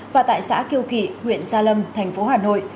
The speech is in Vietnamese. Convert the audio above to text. và tại xã kiều kỵ huyện gia lâm thành phố hà nội